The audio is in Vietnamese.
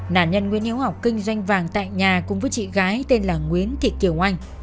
nạn nhân nguyễn hiếu học kinh doanh vàng tại nhà cùng với chị gái tên là nguyễn thị kiều anh